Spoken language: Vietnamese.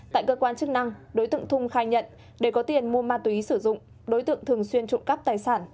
tại cơ quan chức năng đối tượng thung khai nhận để có tiền mua ma túy sử dụng đối tượng thường xuyên trụng cắp tài sản